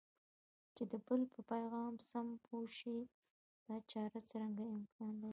چې د بل په پیغام سم پوه شئ دا چاره څرنګه امکان لري؟